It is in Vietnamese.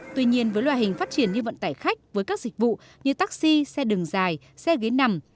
tuy nhiên với loại hình phát triển như vận tải khách với các dịch vụ như taxi xe đường dài xe ghế nằm